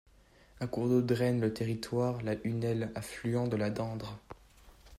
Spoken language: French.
Un cours d'eau draine le territoire, la Hunelle, affluent de la Dendre.